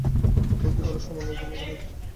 ফূর্তি করার সময় লজ্জা লাগে নি?